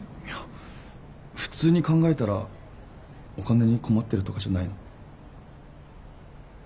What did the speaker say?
いや普通に考えたらお金に困ってるとかじゃないの？